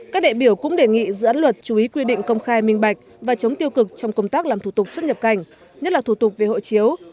các đại biểu cũng đề nghị dự án luật chú ý quy định công khai minh bạch và chống tiêu cực trong công tác làm thủ tục xuất nhập cảnh nhất là thủ tục về hộ chiếu